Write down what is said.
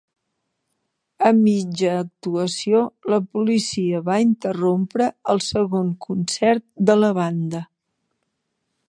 A mitja actuació, la policia va interrompre el segon concert de la banda.